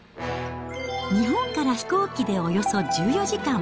日本から飛行機でおよそ１４時間。